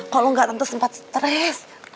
kalo enggak tante sempat stress